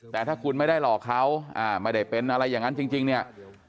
แต่ถ้าคุณไม่ได้หลอกเขาไม่ได้เป็นอะไรอย่างนั้นจริงเนี่ย